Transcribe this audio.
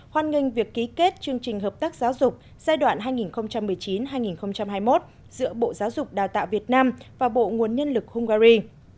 hoan nghênh việc ký kết chương trình hợp tác giáo dục giai đoạn hai nghìn một mươi chín hai nghìn hai mươi một giữa bộ giáo dục đào tạo việt nam và bộ nguồn nhân lực hungary